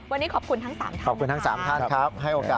วันนี้ขอบคุณทั้ง๓ท่านครับ